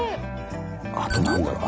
あと何だろう？